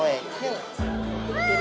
うわ！